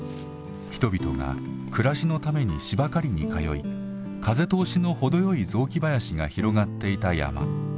人々が暮らしのためにしば刈りに通い風通しの程よい雑木林が広がっていた山。